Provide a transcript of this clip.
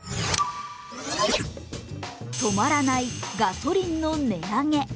止まらない、ガソリンの値上げ。